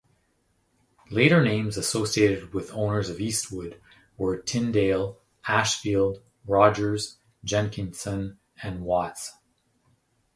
Later names associated with owners of Eastwood were Tyndale, Ashfield, Rogers, Jenkinson and Watts.